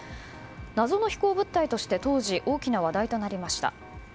謎の飛行物体として当時、大きな話題となりました。